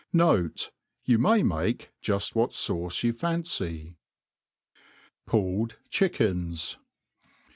Note, You may make jufl: what fauce you fancy* Pulled Chickens.